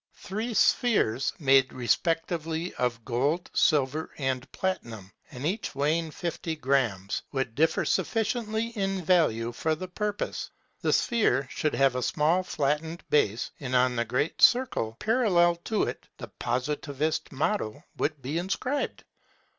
Three spheres made respectively of gold, silver, and platinum, and each weighing fifty grammes, would differ sufficiently in value for the purpose. The sphere should have a small flattened base, and on the great circle parallel to it the Positivist motto would be inscribed.